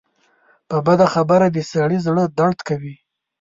په بده خبره د سړي زړۀ دړد کوي